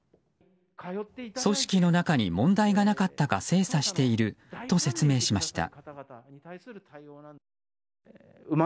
組織の中に問題がなかったか精査していると説明しました。